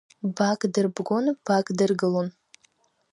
Баак дырбгон, баак дыргылон.